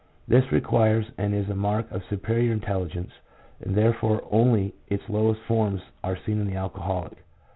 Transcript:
This requires and is a mark of superior intelligence, and therefore only its lowest forms are seen in the alcoholic.